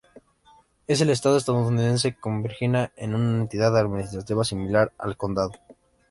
Es el estado estadounidense de Virginia es una entidad administrativa similar al condado.